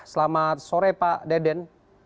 selamat sore pak deden